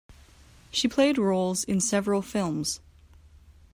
She played roles in several films.